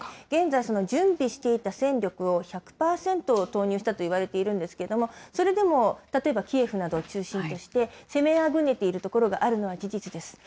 現在、準備していた戦力を１００％投入したといわれているんですけれども、それでも例えばキエフなどを中心として攻めあぐねているところがあるのは事実です。